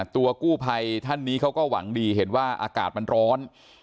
ตัวกู้ภัยท่านนี้เขาก็หวังดีเห็นว่าอากาศมันร้อน